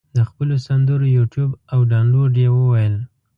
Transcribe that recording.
د خپلو سندرو یوټیوب او دانلود یې وویل.